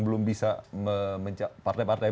belum bisa mencapai partai partai